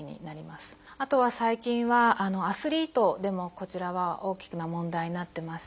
あとは最近はアスリートでもこちらは大きな問題になってまして。